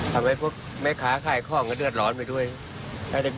ห้าปลาเหรอครับ